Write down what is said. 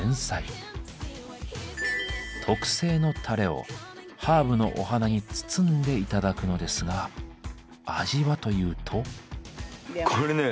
特製のタレをハーブのお花に包んで頂くのですが味はというと。